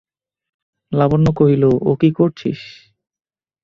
লাবণ্য কহিল, ও কী করছিস?